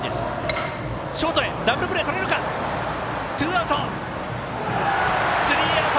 ツーアウト、スリーアウト。